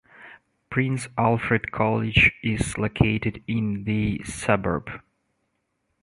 Prince Alfred College is located in the suburb.